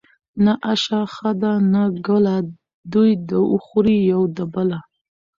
ـ نه آشه ښه ده نه ګله دوي د وخوري يو د بله.